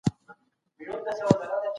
دا ورځ سړه ده